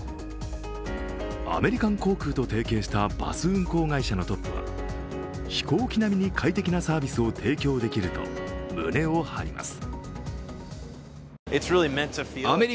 アメリカン航空と提携したバス運行会社のトップは飛行機並みに快適なサービスを提供できると胸を張ります。